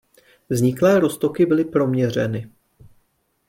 Vzniklé roztoky byly proměřeny.